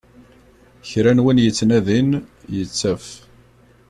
Kra n win yettnadin, yettaf.